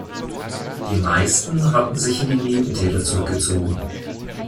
Die meisten hatten sich in die Nebentäler zurückgezogen.